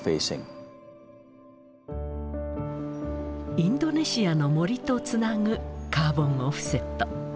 インドネシアの森とつなぐカーボンオフセット。